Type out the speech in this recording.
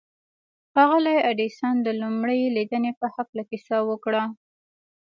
ښاغلي ايډېسن د لومړۍ ليدنې په هکله کيسه وکړه.